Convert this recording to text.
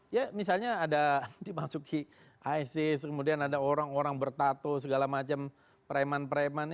ya misalnya ada dimasuki isis kemudian ada orang orang bertato segala macam preman preman